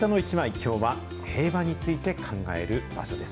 きょうは、平和について考える場所です。